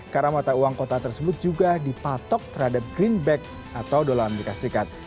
karena mata uang kota tersebut juga dipatok terhadap greenback atau usd